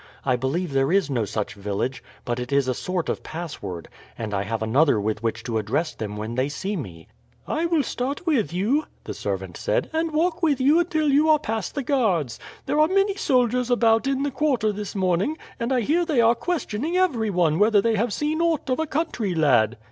"I believe there is no such village, but it is a sort of password; and I have another with which to address them when they see me." "I will start with you," the servant said, "and walk with you until you are past the guards. There are many soldiers about in the quarter this morning, and I hear they are questioning every one whether they have seen aught of a country lad."